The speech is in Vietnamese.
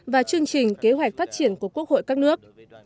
và chương trình kế hoạch phát triển của quốc hội các nước